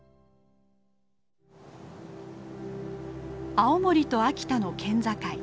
青森と秋田の県境。